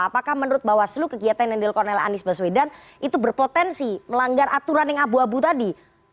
apakah menurut bawaslu kegiatan nendel konel anies baswedan itu berpotensi melanggar aturan yang abu abu tadi